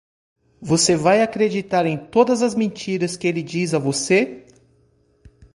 Você vai acreditar em todas as mentiras que ele diz a você?